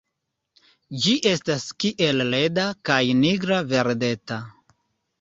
Ĝi estas kiel leda, kaj nigra-verdeta.